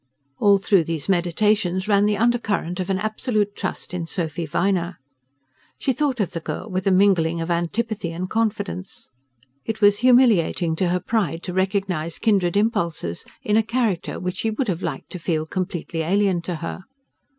All through these meditations ran the undercurrent of an absolute trust in Sophy Viner. She thought of the girl with a mingling of antipathy and confidence. It was humiliating to her pride to recognize kindred impulses in a character which she would have liked to feel completely alien to her.